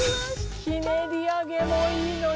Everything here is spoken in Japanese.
ひねり揚げもいいのよ！